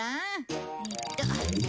えっと。